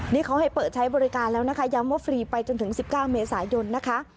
นี่เขาให้เปิดใช้บริการแล้วนะคะย้ำว่าฟรีไปจนถึง๑๙เมษายนนะคะ